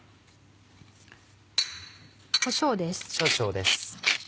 こしょうです。